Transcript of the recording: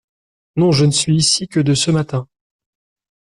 Non… je ne suis ici que de ce matin…